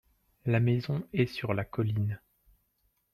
la maison est sur la colline.